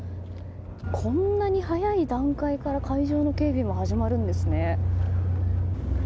こんなに早い段階から海上の警備も始まるんですね。